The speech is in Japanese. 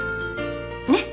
ねっ。